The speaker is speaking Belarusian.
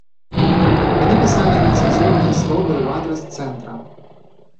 Яны пісалі нецэнзурныя словы ў адрас цэнтра.